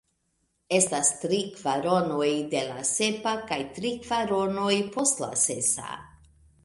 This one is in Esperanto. Estas tri kvaronoj de la sepa tri kvaronoj post la sesa.